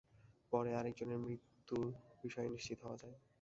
পরে আরেকজনের মৃত্যুর বিষয়ে নিশ্চিত হওয়া যায়।